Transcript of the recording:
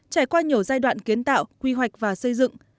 trải qua nhiều giai đoạn kiến tạo quy hoạch và xây dựng